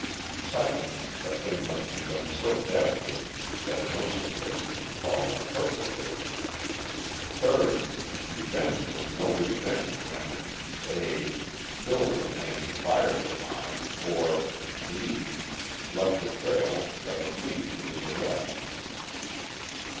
Second, the thing must be done so deftly that no suspicion could fall on the perpetrator. Third, revenge was no revenge when it (A) killed the man who fired the mine, or (B) left a trail that would lead to his arrest.